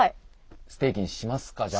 ステーキにしますかじゃあ。